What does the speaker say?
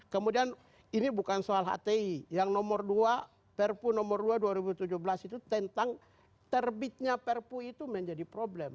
kemudian ini bukan soal hti yang nomor dua perpu nomor dua dua ribu tujuh belas itu tentang terbitnya perpu itu menjadi problem